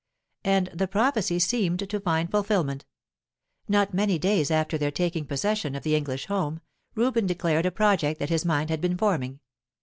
And the prophecy seemed to find fulfilment. Not many days after their taking possession of the English home, Reuben declared a project that his mind had been forming.